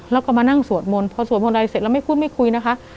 แล้วก็มานั่งสวดมนต์พอสวดมนต์อะไรเสร็จแล้วไม่พูดไม่คุยนะคะ